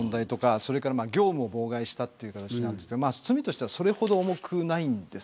それから業務を妨害したという形ですが罪としてはそれほど重くありません。